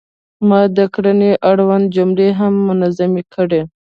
ما د کرنې اړوند جملې هم منظمې کړې.